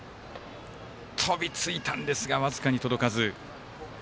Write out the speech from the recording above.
飛びついたんですが僅かに届かず。